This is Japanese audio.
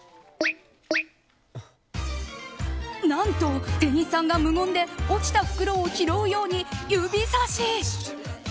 何と店員さんが無言で落ちた袋を拾うように指さし。